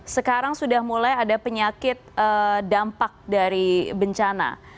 sekarang sudah mulai ada penyakit dampak dari bencana